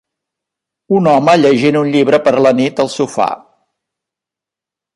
Un home llegint un llibre per la nit al sofà.